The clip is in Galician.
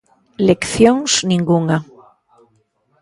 ¡Leccións ningunha!